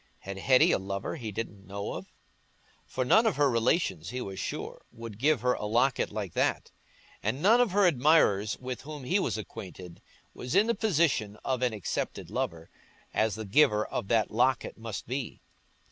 Had Hetty a lover he didn't know of? For none of her relations, he was sure, would give her a locket like that; and none of her admirers, with whom he was acquainted, was in the position of an accepted lover, as the giver of that locket must be.